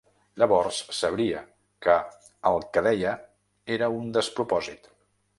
Llavors sabria que el que deia era un despropòsit.